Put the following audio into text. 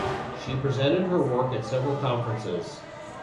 She presented her work at several conferences.